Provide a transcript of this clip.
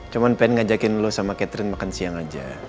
cuman pengen ngajakin lo sama catherine makan siang aja